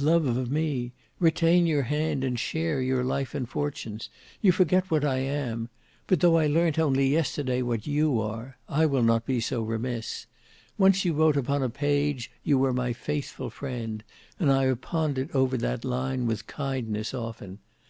"Love of me! Retain your hand and share your life and fortunes! You forget what I am. But though I learnt only yesterday what you are, I will not be so remiss. Once you wrote upon a page you were my faithful friend: and I have pondered over that line with kindness often.